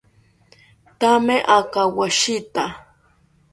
Thame akawoshita